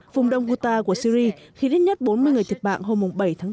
vùng đông ghouta của syri khi đến nhất bốn mươi người thiệt bạn hôm bảy tháng bốn